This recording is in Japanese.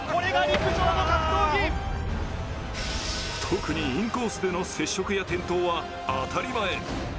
特にインコースでの接触や転倒は当たり前。